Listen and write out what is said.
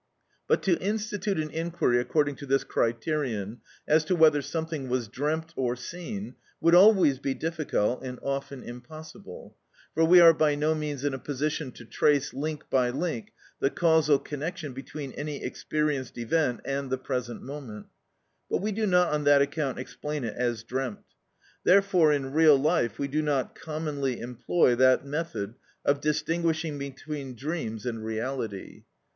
But to institute an inquiry according to this criterion, as to whether something was dreamt or seen, would always be difficult and often impossible. For we are by no means in a position to trace link by link the causal connection between any experienced event and the present moment, but we do not on that account explain it as dreamt. Therefore in real life we do not commonly employ that method of distinguishing between dreams and reality.